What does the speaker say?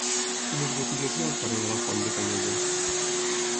Quines botigues hi ha al carrer de la Font de Canyelles?